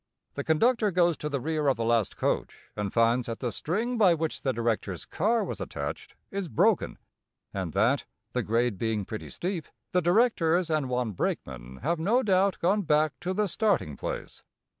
The conductor goes to the rear of the last coach, and finds that the string by which the directors' car was attached is broken, and that, the grade being pretty steep, the directors and one brakeman have no doubt gone back to the starting place.